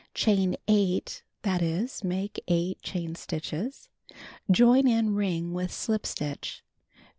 Chain 8; that is, make 8 chain stitches. Join in ring with slip stitch.